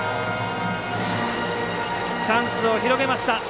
チャンスを広げました。